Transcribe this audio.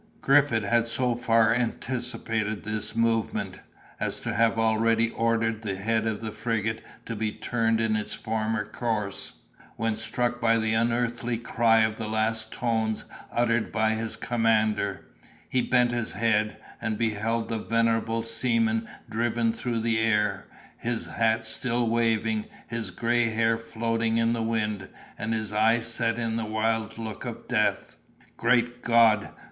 Griffith had so far anticipated this movement, as to have already ordered the head of the frigate to be turned in its former course, when, struck by the unearthly cry of the last tones uttered by his commander, he bent his head, and beheld the venerable seaman driven through the air, his hat still waving, his gray hair floating in the wind, and his eye set in the wild look of death. "Great God!"